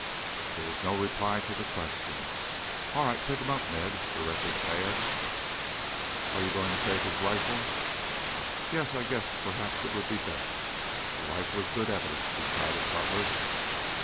There was no reply to the question. "All right. Pick him up, Ned," directed Tad. "Are you going to take his rifle?" "Yes, I guess perhaps it would be best. The rifle is good evidence," decided Butler.